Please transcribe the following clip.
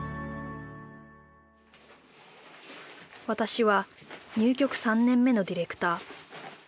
私は入局３年目のディレクター。